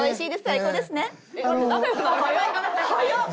早っ！